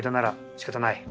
しかたない。